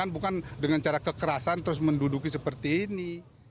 bukan dengan cara kekerasan terus menduduki seperti ini